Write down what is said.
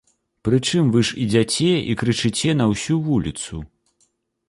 Прычым вы ж ідзяце і крычыце на ўсю вуліцу!